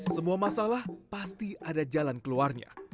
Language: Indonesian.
semua masalah pasti ada jalan keluarnya